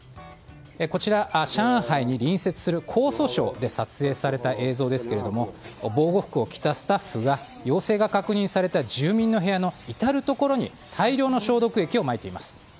こちら上海に隣接する江蘇省で撮影された映像ですけども防護服を着たスタッフが陽性が確認された住民の部屋の至るところに大量の消毒液をまいています。